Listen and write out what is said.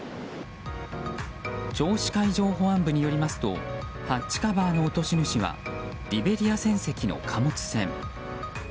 銚子海上保安部によりますとハッチカバーの落とし主はリベリア船籍の貨物船。